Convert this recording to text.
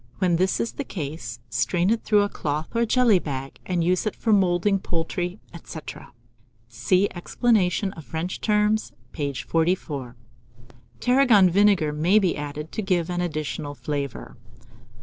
When this is the case, strain it through a cloth or jelly bag, and use it for moulding poultry, etc. (See Explanation of French Terms, page 44.) Tarragon vinegar may be added to give an additional flavour.